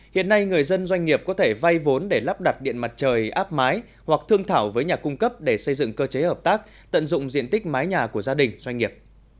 hiện nay người dân doanh nghiệp có thể vay vốn để lắp đặt điện mặt trời áp mái hoặc thương thảo với nhà cung cấp để xây dựng cơ chế hợp tác tận dụng diện tích mái nhà của gia đình doanh nghiệp